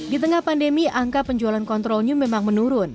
di tengah pandemi angka penjualan kontrolnya memang menurun